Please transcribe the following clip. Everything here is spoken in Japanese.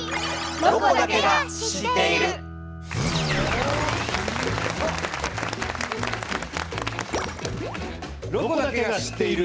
「ロコだけが知っている」。